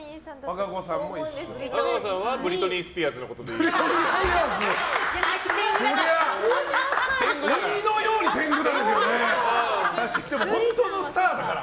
和歌子さんはブリトニー・スピアーズのことであいつ天狗だから。